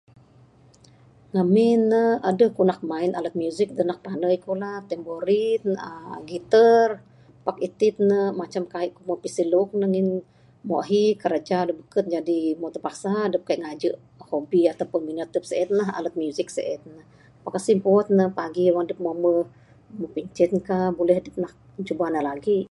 Ngemin ne adeh ku nak main alat muzik dak nak pandai ku main temborin aaa guitar pak iti ne macam moh kai ku pisilung ne ngin moh ahi kerja dak beken jaji moh terpaksa adep moh kai ngaje hobi ataupun minat adep sienlah alat muzik sien. Pak esih puan matik pagi wang adep moh mbeh pincen ne kah buleh dep nak cuba ne lagi.